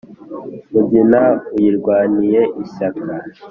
mugina uyirwaniye ishyaka.